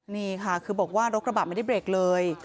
นี่ค่ะคือบอกว่ารถกระบะไม่ได้เบรกเลย